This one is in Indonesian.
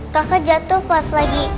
kakak jatuh pas lagi